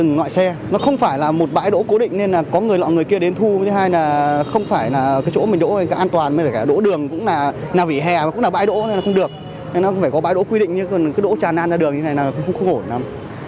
nên nó không phải có bãi đỗ quy định như cái đỗ tràn lan ra đường như thế này là cũng không hổn lắm